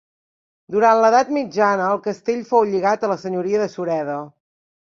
Durant l'Edat mitjana el castell fou lligat a la senyoria de Sureda.